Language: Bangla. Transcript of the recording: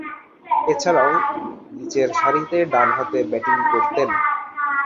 এছাড়াও, নিচেরসারিতে ডানহাতে ব্যাটিং করতেন।